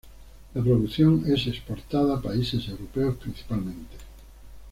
La producción es exportada a países europeos principalmente.